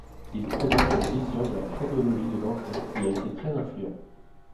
Il présente une vision de la phonologie de l'Anglais et a été très influent.